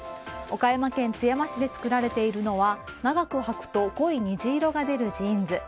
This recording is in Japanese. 岡山県津山市で作られているのは長くはくと濃い虹色が出るジーンズ。